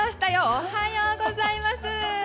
おはようございます。